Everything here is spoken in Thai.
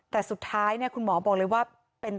แต่สุดท้ายเนี่ยคุณหมอบอกเลยว่า